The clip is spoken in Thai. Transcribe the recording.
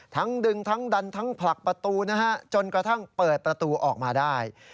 ดึงทั้งดันทั้งผลักประตูนะฮะจนกระทั่งเปิดประตูออกมาได้